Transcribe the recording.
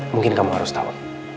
mungkin kamu harus tahu